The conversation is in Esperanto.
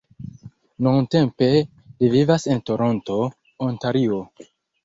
Nuntempe li vivas en Toronto, Ontario.